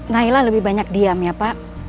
naila lebih banyak diam ya pak